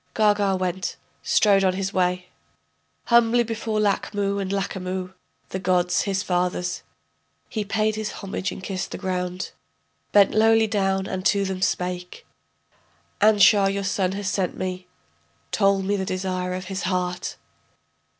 Gaga went, strode on his way, Humbly before Lachmu and Lachamu, the gods, his fathers, He paid his homage and kissed the ground, Bent lowly down and to them spake: Anshar, your son, has sent me, Told me the desire of his heart.